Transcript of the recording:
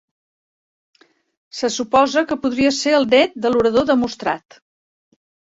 Se suposa que podria ser el nét de l'orador Demostrat.